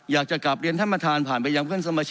อยากจะกลับเรียนธันภายมและทหารผ่านไปยังเหมือนสั่งผล